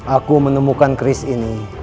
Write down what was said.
aku menemukan keris ini